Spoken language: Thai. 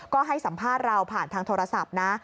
ก็ให้สัมภาษณ์เราผ่านทางโทรศัพท์นะ